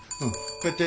こうやって。